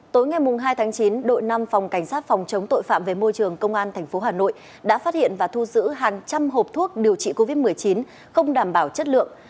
tối ngày hai tháng chín đội năm phòng cảnh sát phòng chống tội phạm về môi trường công an tp hà nội đã phát hiện và thu giữ hàng trăm hộp thuốc điều trị covid một mươi chín không đảm bảo chất lượng